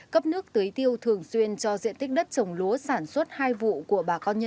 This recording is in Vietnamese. cấp nước tưới tiêu thường xuyên cho diện tích đất trồng lúa sản xuất hai vụ của bà con nhân